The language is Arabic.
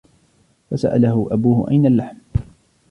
فسأله أبوه أين اللحم